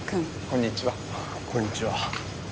こんにちは。